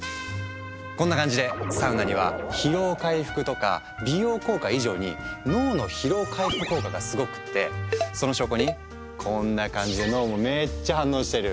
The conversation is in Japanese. こんな感じでサウナには疲労回復とか美容効果以上に脳の疲労回復効果がすごくってその証拠にこんな感じで脳もめっちゃ反応してる。